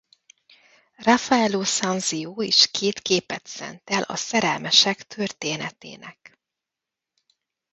Raffaello Sanzio is két képet szentel a szerelmesek történetének.